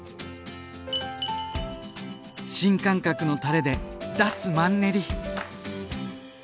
新感覚のたれで脱マンネリ！